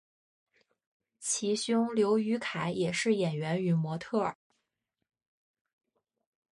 其兄刘雨凯也是演员与模特儿。